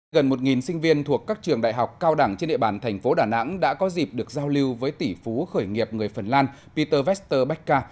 gần một sinh viên thuộc các trường đại học cao đẳng trên địa bàn thành phố đà nẵng đã có dịp được giao lưu với tỷ phú khởi nghiệp người phần lan peter westerbacca